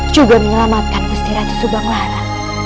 juga menyelamatkan gusti ratu subang lara